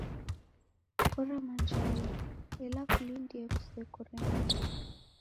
Kora majala, ela kulindie kusekore nyumba